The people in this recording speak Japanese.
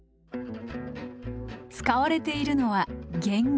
使われているのはゲンゲ。